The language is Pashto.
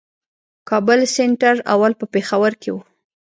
کابل سېنټر اول په پېښور کښي وو.